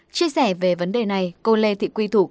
chia sẻ về vấn đề này cô lê thị quy thủ